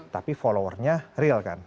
tapi followernya real kan